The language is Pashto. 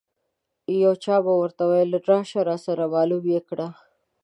یو چا به ورته ویل راشه راسره معلومه یې کړه.